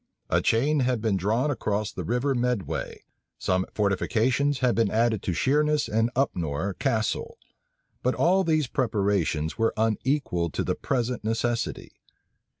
A chain had been drawn across the River Medway; some fortifications had been added to Sheerness and Upnore Castle; but all these preparations were unequal to the present necessity.